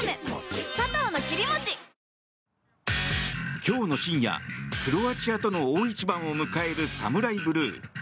今日の深夜クロアチアとの大一番を迎えるＳＡＭＵＲＡＩＢＬＵＥ。